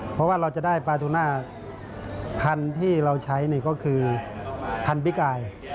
เพราะว่าเราจะได้ปลาทูน่าพันธุ์ที่เราใช้นี่ก็คือพันพิกาย